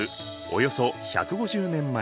およそ１５０年前。